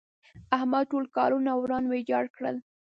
احمد ټول کارونه وران ويجاړ کړل.